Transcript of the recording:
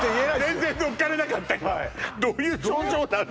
全然のっかれなかったどういう症状なの？